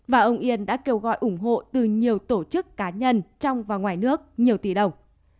và ông yên đã kêu gọi ủng hộ từ nhiều tổ chức cá nhân trong và ngoài nước nhiều tỷ đồng